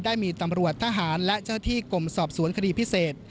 ได้มีตำรวจทหารและเจ้าที่กรมสอบสวนคดีพิเศษ